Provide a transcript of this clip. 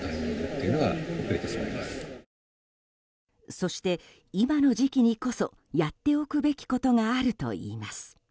そして、今の時期にこそやっておくべきことがあるといいます。